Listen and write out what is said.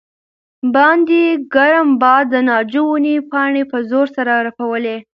باندې ګرم باد د ناجو ونې پاڼې په زور سره رپولې.